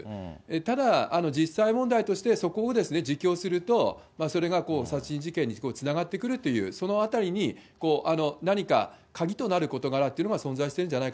ただ実際問題として、そこを自供すると、それが殺人事件につながってくるという、そのあたりに何か鍵となる事柄というのが存在しているんじゃない